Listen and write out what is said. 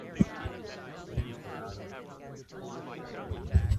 In or out of 'em, it doesn't matter.